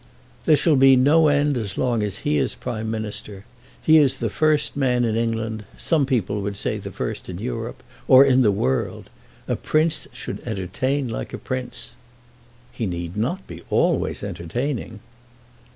"There shall be no end as long as he is Prime Minister. He is the first man in England. Some people would say the first in Europe, or in the world. A Prince should entertain like a Prince." "He need not be always entertaining."